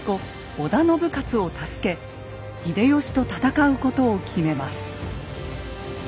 織田信雄を助け秀吉と戦うことを決めます。